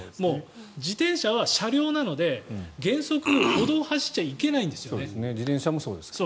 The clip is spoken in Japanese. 自転車は車両なので原則、歩道を走っちゃ自転車もそうですよね。